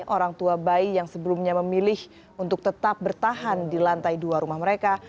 orang tua bayi yang sebelumnya memilih untuk tetap bertahan di lantai dua rumah mereka